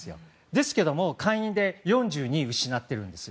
ですけども下院で４２失っているんです。